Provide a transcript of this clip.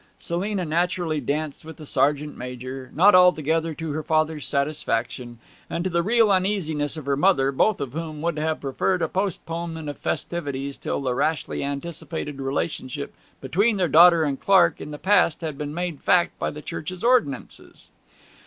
Selina naturally danced with the sergeant major, not altogether to her father's satisfaction, and to the real uneasiness of her mother, both of whom would have preferred a postponement of festivities till the rashly anticipated relationship between their daughter and Clark in the past had been made fact by the church's ordinances.